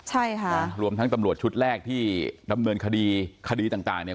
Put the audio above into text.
ใช่ค่ะรวมทั้งตำรวจชุดแรกที่ดำเนินคดีคดีต่างต่างเนี่ย